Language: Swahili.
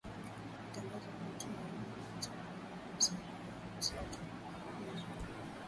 Kutangaza kitu auna nacho kulingana na sheria ya inchi uta apizwa